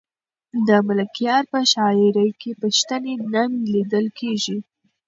د ملکیار په شاعري کې پښتني ننګ لیدل کېږي.